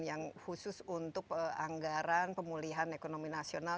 yang khusus untuk anggaran pemulihan ekonomi nasional